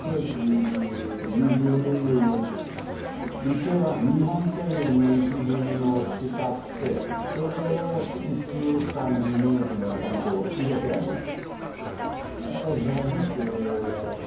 池は日本庭園の石組みを使ってそれを地中海のイメージの中に入れてあります